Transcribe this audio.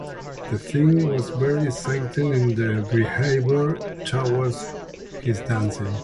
The king was very exacting in his behavior towards his dancing.